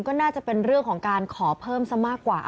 ก็น่าจะเป็นเรื่องของการขอเพิ่มซะมากกว่า